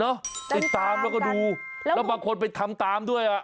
ติดตามแล้วก็ดูแล้วบางคนไปทำตามด้วยอ่ะ